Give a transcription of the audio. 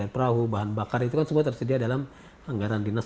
perahu bahan bakar itu kan semua tersedia dalam anggaran dinas